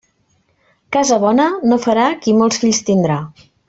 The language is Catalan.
Casa bona no farà qui molts fills tindrà.